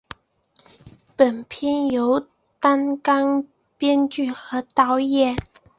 本片由担纲编剧和导演。